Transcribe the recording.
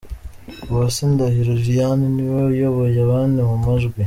Uwase Ndahiro Liliane ni we uyoboye abandi mu majwi.